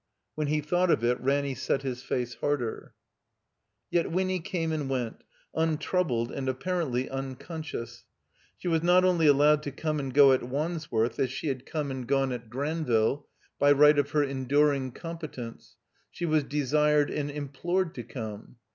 When he thought of it Ranny set his face harder. Yet \^^nny came and went, tmtroubled and ap parently unconscious. She was not only allowed to come and go at Wandsworth as she had come and 309 THE COMBINED MAZE gone at Granville, by right of her enduring com petence; she was desired and implored to come.